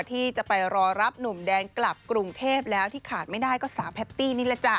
ที่จะไปรอรับหนุ่มแดงกลับกรุงเทพแล้วที่ขาดไม่ได้ก็สาวแพตตี้นี่แหละจ้